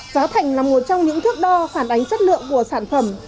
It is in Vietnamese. giá thành là một trong những thước đo phản ánh chất lượng của sản phẩm